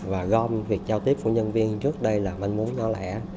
và gom việc giao tiếp của nhân viên trước đây là mênh múng nhỏ lẻ